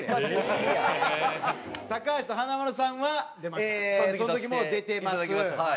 高橋と華丸さんはその時も出てます。